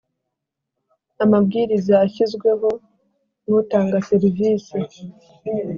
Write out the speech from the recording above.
amabwiriza ashyizweho n’ utanga serivisi